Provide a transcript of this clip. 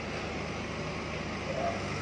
کم اصل چي کوم ځاى خوري، هلته خړي.